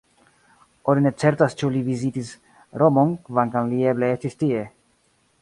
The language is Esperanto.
Oni ne certas ĉu li vizitis Romon, kvankam li eble estis tie.